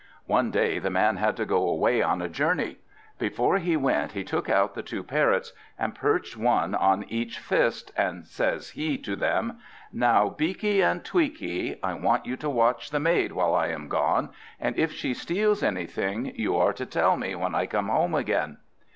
One day the man had to go away on a journey. Before he went he took out the two parrots, and perched one on each fist, and says he to them, "Now, Beaky and Tweaky, I want you to watch the maid while I am gone; and if she steals anything, you are to tell me when I come home again."